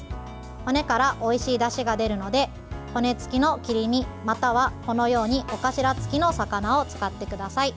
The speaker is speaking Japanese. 骨からおいしいだしが出るので骨付きの切り身または、このように尾頭付きの魚を使ってください。